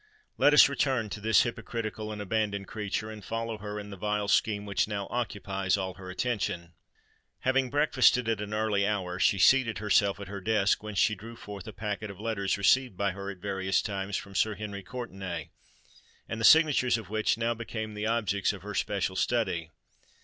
Let us return to this hypocritical and abandoned creature, and follow her in the vile scheme which now occupies all her attention. Having breakfasted at an early hour, she seated herself at her desk, whence she drew forth a packet of letters received by her at various times from Sir Henry Courtenay, and the signatures of which now became the objects of her special study.